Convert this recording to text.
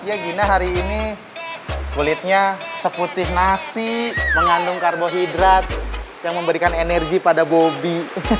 ya gina hari ini kulitnya seputih nasi mengandung karbohidrat yang memberikan energi pada bobi